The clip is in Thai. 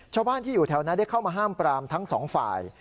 ชาวบ้านที่อยู่แถวนั้นได้เข้ามาห้ามปรามทั้งสองฝ่าย